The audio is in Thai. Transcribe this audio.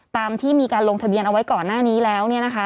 ตามที่มีการลงทะเบียนเอาไว้ก่อนหน้านี้แล้ว